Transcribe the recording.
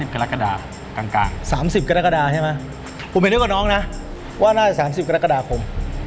กรกฎากลาง๓๐กรกฎาใช่ไหมผมเห็นนึกว่าน้องนะว่าน่าจะ๓๐กรกฎาคม